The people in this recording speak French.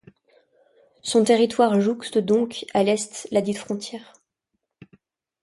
Son territoire jouxte donc, à l'est, la dite frontière.